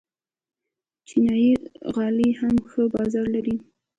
چینايي غالۍ هم ښه بازار لري.